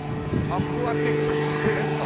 アクアティクスセンター。